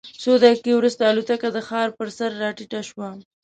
څو دقیقې وروسته الوتکه د ښار پر سر راټیټه شوه.